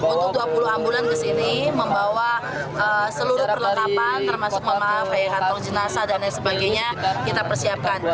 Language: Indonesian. untuk dua puluh ambulan kesini membawa seluruh perlengkapan termasuk kantong jenazah dan lain sebagainya kita persiapkan